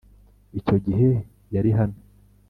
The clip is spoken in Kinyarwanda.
icyo gihe yari hano.